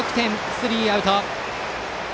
スリーアウト。